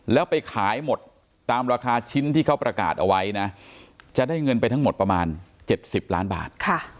แล้วไปขายหมดตามราคาชิ้นที่เขาประกาศเอาไว้นะจะได้เงินไปทั้งหมดประมาณ๗๐ล้านบาท